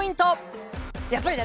やっぱりね